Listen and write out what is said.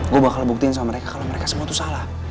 gue bakal buktiin sama mereka kalau mereka semua tuh salah